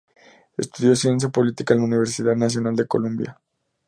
Estudió Ciencia política en la Universidad Nacional de Colombia.